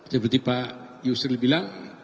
seperti pak yusril bilang